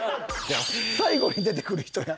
最後に出てくる人や。